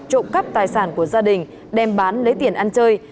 trộm cắp tài sản của gia đình đem bán lấy tiền ăn chơi